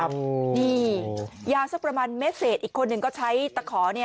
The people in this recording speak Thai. นี่ยาวสักประมาณเมตรเศษอีกคนหนึ่งก็ใช้ตะขอ